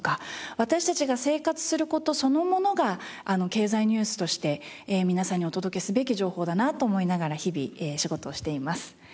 私たちが生活する事そのものが経済ニュースとして皆さんにお届けすべき情報だなと思いながら日々仕事をしています。